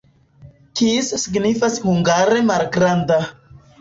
Kis signifas hungare malgranda.